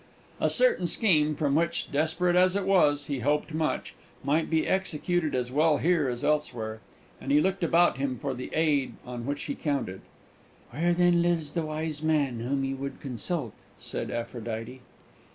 A certain scheme from which, desperate as it was, he hoped much, might be executed as well here as elsewhere, and he looked about him for the aid on which he counted. "Where, then, lives the wise man whom you would consult?" said Aphrodite.